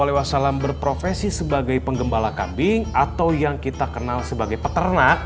waalaikumsalam berprofesi sebagai penggembala kambing atau yang kita kenal sebagai peternak